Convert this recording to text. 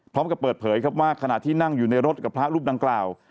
พร้อมกับเปิดเผยครับว่าขณะที่นั่งอยู่ในรถกับพระรูปดังกล่าว